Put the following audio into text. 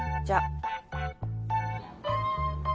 じゃあ。